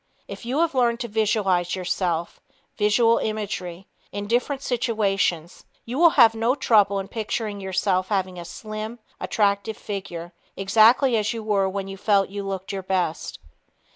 If you have learned to visualize yourself (visual imagery) in different situations, you will have no trouble in picturing yourself having a slim, attractive figure, exactly as you were when you felt you looked your best.